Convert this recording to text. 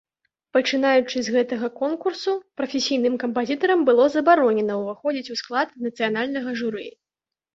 Пачынаючы з гэтага конкурсу, прафесійным кампазітарам было забаронена ўваходзіць у склад нацыянальнага журы.